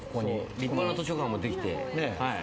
立派な図書館もできて。